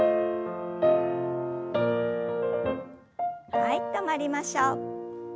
はい止まりましょう。